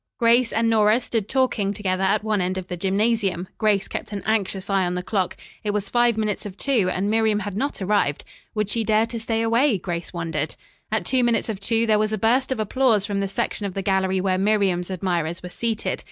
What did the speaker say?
Grace and Nora stood talking together at one end of the gymnasium. Grace kept an anxious eye on the clock. It was five minutes of two and Miriam had not arrived. "Would she dare to stay away?" Grace wondered. At two minutes of two there was a burst of applause from the section of the gallery where Miriam's admirers were seated.